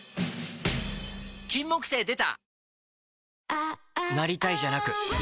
金木犀でた！